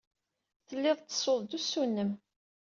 Tellid tettessud-d usu-nnem.